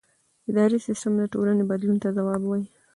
اداري سیستم د ټولنې بدلون ته ځواب وايي.